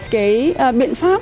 cái biện pháp